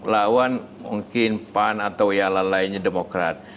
lawan mungkin pan atau yang lainnya demokrat